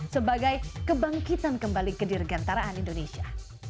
sebagai kebangkitan kembali kedirgantaraan indonesia